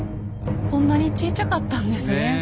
こんなにちいちゃかったんですね